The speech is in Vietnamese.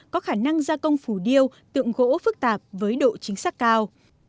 có khả năng gia công phủ điêu tượng gỗ phức tạp với độ chính xác cao